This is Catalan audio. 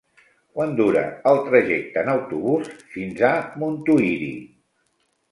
Quant dura el trajecte en autobús fins a Montuïri?